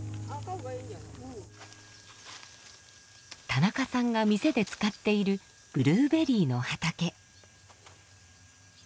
田中さんが店で使っているブルーベリーの畑。